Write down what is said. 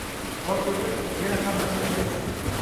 Vaqt o`tib, yana hammasi iziga tushdi